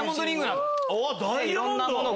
いろんなもの